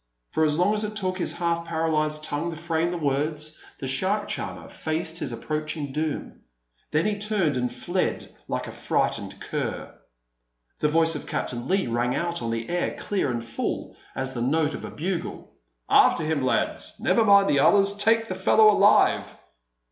For as long as it took his half paralysed tongue to frame the words, the shark charmer faced his approaching doom. Then he turned and fled like a frightened cur. The voice of Captain Leigh rang out on the air clear and full as the note of a bugle: "After him, lads! Never mind the others! Take the fellow alive!"